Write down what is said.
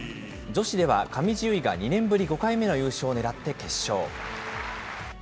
女子では上地結衣が、２年ぶり５回目の優勝をねらって決勝。